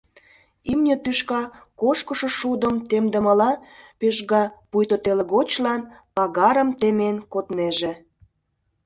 Имне тӱшка кошкышо шудым темдымыла пӧжга, пуйто телыгочлан пагарым темен коднеже.